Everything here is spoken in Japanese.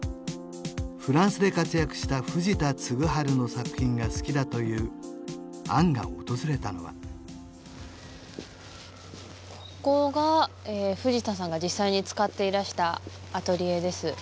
フランスで活躍した藤田嗣治の作品が好きだという杏が訪れたのはここが藤田さんが実際に使っていらしたアトリエです